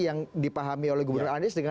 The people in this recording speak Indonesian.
yang dipahami oleh gubernur anies dengan